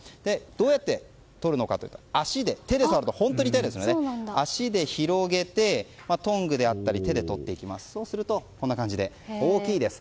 どうやってとるのかというと手で触ると痛いので足で広げてトングだったり手で取っていくとこんな感じで、大きいです。